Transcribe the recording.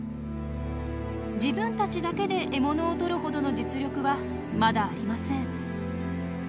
自分たちだけで獲物を取るほどの実力はまだありません。